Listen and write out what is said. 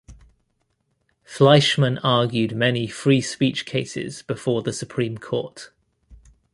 Fleishman argued many free speech cases before the Supreme Court.